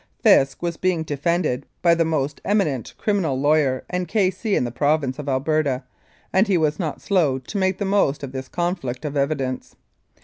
Fisk was being defended by the most eminent criminal lawyer and K.C. in the Province of Alberta, and he was not slow to make the most of this conflict of evidence.